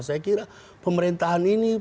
saya kira pemerintahan ini